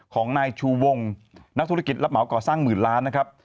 ของนายชูวงนักธุรกิจรับเหมาก่อสร้างหมื่นล้านนะครับ